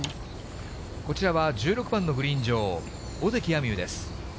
こちらは１６番のグリーン上、尾関彩美悠です。